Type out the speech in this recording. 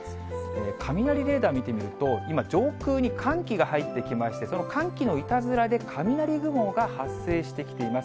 雷レーダー見てみると、今、上空に寒気が入ってきまして、その寒気のいたずらで雷雲が発生してきています。